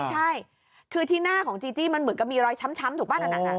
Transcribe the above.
ใช่คือที่หน้าของจีจี้มันเหมือนกับมีรอยช้ำถูกป่ะนั้น